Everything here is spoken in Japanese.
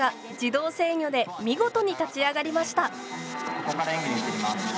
ここから演技に移ります。